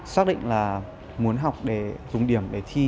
xác định là muốn học để dùng điểm để thi